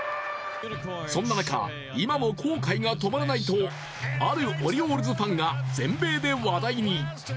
そんな中、今も後悔が止まらないとあるオリオールズファンが全米で話題に。